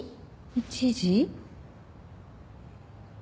１時？